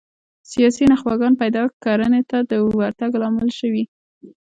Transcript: سیاسي نخبګانو پیدایښت کرنې ته د ورتګ لامل شوي